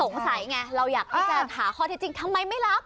สงสัยไงเราอยากพิจารณ์หาข้อเท็จจริงทำไมไม่รับ